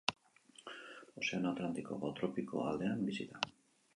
Ozeano Atlantikoko tropiko aldean bizi da.